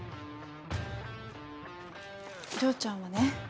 丈ちゃんはね